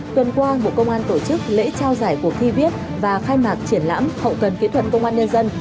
tuần qua bộ công an tổ chức lễ trao giải cuộc thi viết và khai mạc triển lãm hậu cần kỹ thuật công an nhân dân